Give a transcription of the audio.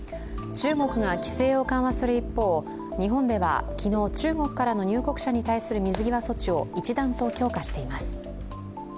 中国が規制を緩和する一方日本では昨日、中国からの入国者に対する水際措置を一段と強化しています。